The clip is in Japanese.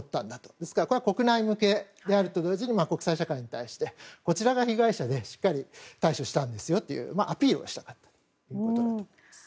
ですから、これは国内向けであるといわずに国際社会に対してこちらが被害者でしっかり対処したんですとアピールしたということです。